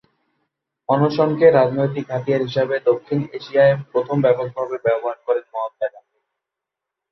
অনশনকে রাজনৈতিক হাতিয়ার হিসেবে দক্ষিণ এশিয়ায় প্রথম ব্যাপকভাবে ব্যবহার করেন মহাত্মা গান্ধী।